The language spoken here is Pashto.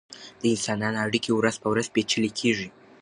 د انسانانو اړیکې ورځ په ورځ پیچلې کیږي.